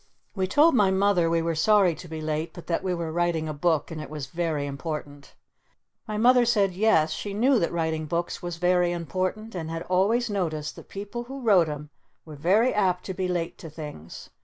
We told my Mother we were sorry to be late but that we were writing a book and it was very important. My Mother said yes, she knew that writing books was very important and had always noticed that people who wrote 'em were very apt to be late to things.